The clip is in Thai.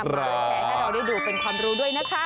มาแชร์ให้เราได้ดูเป็นความรู้ด้วยนะคะ